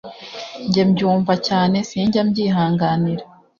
njye mbyumva cyane sinjya mbyihanganira